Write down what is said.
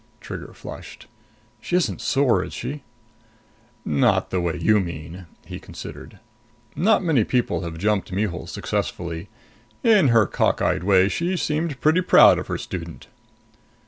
Trigger flushed. "She isn't sore, is she?" "Not the way you mean," he considered. "Not many people have jumped Mihul successfully. In her cockeyed way, she seemed pretty proud of her student."